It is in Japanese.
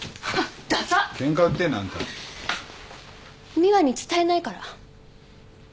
美羽に伝えないから。